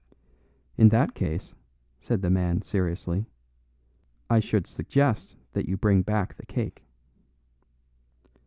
"In that case," said the man seriously, "I should suggest that you bring back the cake."